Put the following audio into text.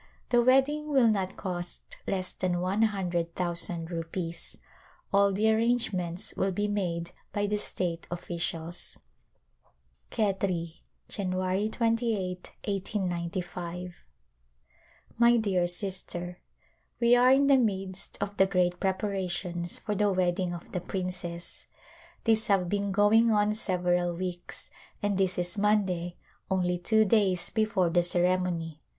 The wedding will not cost less than one hundred thousand rupees. All the arrangements will be made by the state officials. Khetri^ Jan. 28^ i8g^. My dear Sister : We are in the midst of the great preparations A Royal Wedding for the wedding of the princess. These have been going on several weeks, and this is Monday, only two days before the ceremony.